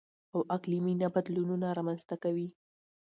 او اقلـيمي نه بـدلونـونه رامـنځتـه کوي.